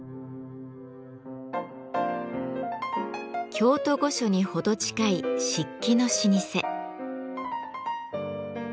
京都御所に程近い漆器の老舗。